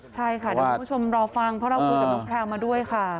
ใช่ค่ะเดี๋ยวคุณผู้ชมรอฟังเพราะเราคุยกับน้องแพลวมาด้วยค่ะ